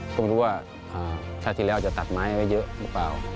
ก็ไม่รู้ว่าชาติที่แล้วจะตัดไม้ไว้เยอะหรือเปล่า